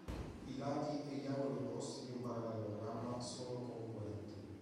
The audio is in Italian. I lati e gli angoli opposti di un parallelogramma sono congruenti.